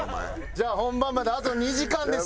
じゃあ本番まであと２時間です。